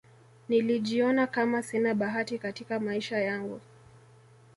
nilijiona Kama sina bahati Katika maisha yangu